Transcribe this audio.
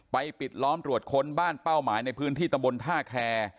ปิดล้อมตรวจค้นบ้านเป้าหมายในพื้นที่ตำบลท่าแคร์